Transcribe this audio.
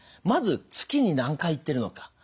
まず月に何回行ってるのか。